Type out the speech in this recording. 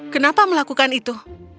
kenapa melakukan itu